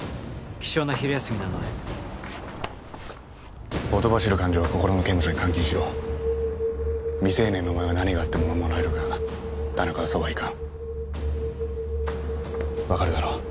貴重な昼休みなのでほとばしる感情は心の刑務所に監禁しろ未成年のお前は何があっても守られるが田中はそうはいかん分かるだろ？